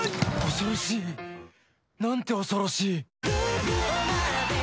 恐ろしい、何て恐ろしい！